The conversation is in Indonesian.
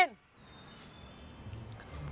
kenapa dia marah